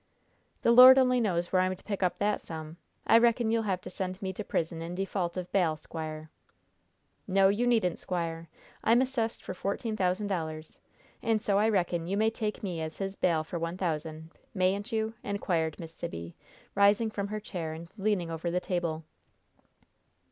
"The Lord only knows where I am to pick up that sum. I reckon you'll have to send me to prison in default of bail, squire." "No, you needn't, squire. I'm assessed for fourteen thousand dollars, and so I reckon you may take me as his bail for one thousand, mayn't you?" inquired Miss Sibby, rising from her chair and leaning over the table.